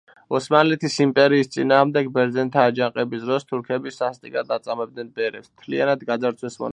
ოსმალეთის იმპერიის წინააღმდეგ ბერძენთა აჯანყების დროს თურქები სასტიკად აწამებდნენ ბერებს, მთლიანად გაძარცვეს მონასტერი.